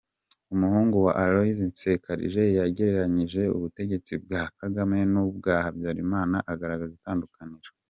Umuhungu wa Aloys Nsekarije yagereranyije ubutegetsi bwa Kagame n’ ubwa Habyarimana agaragaza itandukaniro.